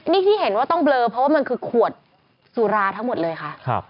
นี่ที่เห็นว่าต้องเบลอเพราะว่ามันคือขวดสุราทั้งหมดเลยค่ะ